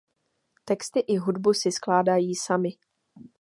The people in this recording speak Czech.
Texty i hudbu si skládají sami.